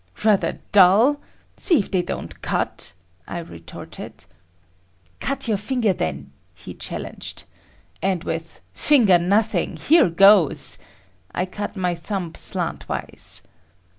"Rather dull? See if they don't cut!" I retorted. "Cut your finger, then," he challenged. And with "Finger nothing! Here goes!" I cut my thumb slant wise.